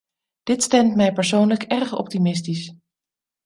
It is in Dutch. Dit stemt mij persoonlijk erg optimistisch.